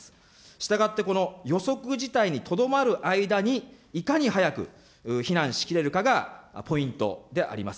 したがって、この予測事態にとどまる間に、いかに早く避難しきれるかがポイントであります。